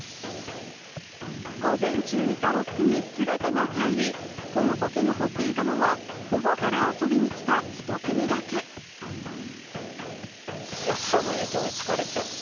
午前中いた６組すべてが帰り、このとき残っていたのは、暑さの影響で疲れちゃって、